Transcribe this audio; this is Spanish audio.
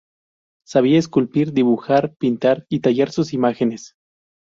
Sabía esculpir, dibujar, pintar y tallar sus imágenes.